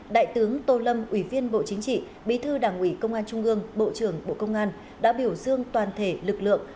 đại tướng tô lâm ủy viên bộ chính trị bí thư đảng ủy công an trung ương bộ trưởng bộ công an đã biểu dương toàn thể lực lượng